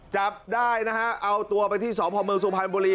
จับได้นะฮะเอาไปที่สรรพบริมศัพท์มือสวพลันบุรี